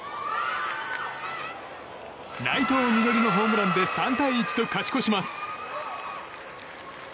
内藤実穂のホームランで３対１と勝ち越します。